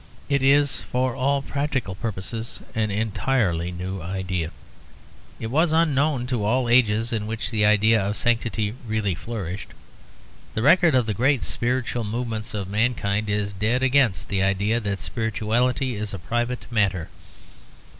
It is for all practical purposes an entirely new idea; it was unknown to all the ages in which the idea of sanctity really flourished. The record of the great spiritual movements of mankind is dead against the idea that spirituality is a private matter.